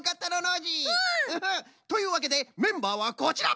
うん！というわけでメンバーはこちら！